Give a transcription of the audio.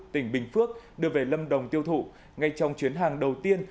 tỉnh bình phước đưa về lâm đồng tiêu thụ ngay trong chuyến hàng đầu tiên